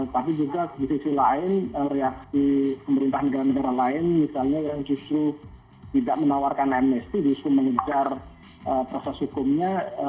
tapi juga di sisi lain reaksi pemerintah negara negara lain misalnya yang justru tidak menawarkan amnesti justru mengejar proses hukumnya